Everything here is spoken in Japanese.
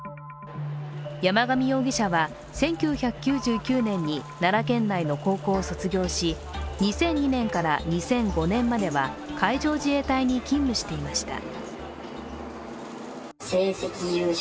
山上容疑者は１９９９年に奈良県内の高校を卒業し２００２年から２００５年までは海上自衛隊に勤務していました。